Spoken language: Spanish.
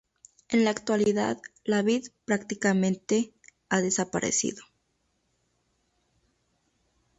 En la actualidad, la vid prácticamente ha desaparecido.